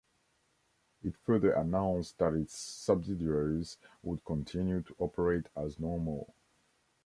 It further announced that its subsidiaries would continue to operate as normal.